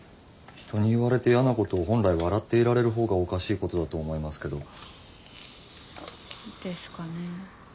人に言われて嫌なことを本来笑っていられる方がおかしいことだと思いますけど。ですかね。